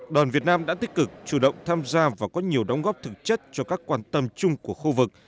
đoàn việt nam đã tích cực chủ động tham gia và có nhiều đóng góp thực chất cho các quan tâm chung của khu vực